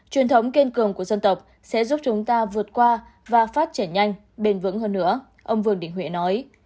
truyền thống kiên cường của dân tộc sẽ giúp chúng ta vượt qua và phát triển nhanh bền vững hơn nữa ông vương đình huệ nói